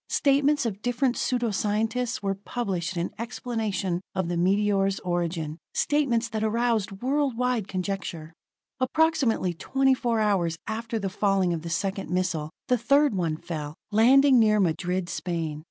Statements of different pseudo scientists were published in explanation of the meteor's origin, statements that aroused world wide conjecture. Approximately twenty four hours after the falling of the second missile, the third one fell, landing near Madrid, Spain.